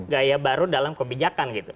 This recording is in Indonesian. gaya baru dalam kebijakan gitu